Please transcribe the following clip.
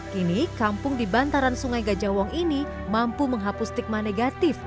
kini kampung di bantaran sungai gajahwong ini mampu menghapus stigma negatif